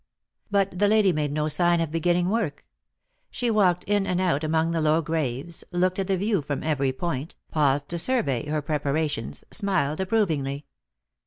But the lady made no sign of beginning work. She walked in and out among the low graves, looked at the view from every point, paused to survey her preparations, smiled approvingly.